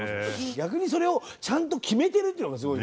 逆にそれをちゃんと決めてるっていうのがすごいよね。